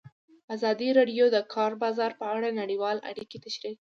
ازادي راډیو د د کار بازار په اړه نړیوالې اړیکې تشریح کړي.